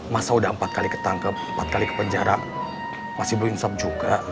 masa sudah empat kali ketangkep empat kali ke penjara masih belum insap juga